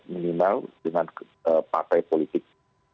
minimal dengan partai politik